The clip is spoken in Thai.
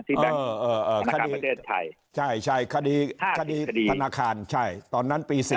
ที่แบ่งคณะคารประเทศไทยใช่คดีพนาคารตอนนั้นปี๔๐